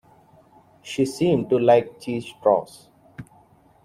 She seemed to like cheese straws.